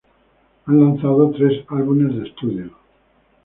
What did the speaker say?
Han lanzado tres álbumes de estudio.